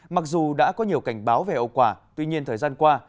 mặc dù đã có nhiều cảnh báo về ẩu quả tuy nhiên thời gian qua